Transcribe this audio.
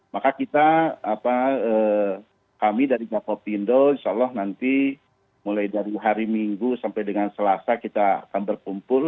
maka kita kami dari kapopindo insya allah nanti mulai dari hari minggu sampai dengan selasa kita akan berkumpul